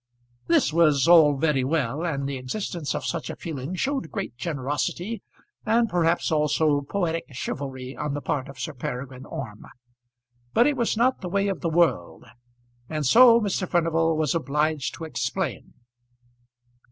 This was all very well, and the existence of such a feeling showed great generosity, and perhaps also poetic chivalry on the part of Sir Peregrine Orme; but it was not the way of the world, and so Mr. Furnival was obliged to explain.